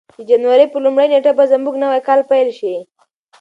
د جنوري په لومړۍ نېټه به زموږ نوی کال پیل شي.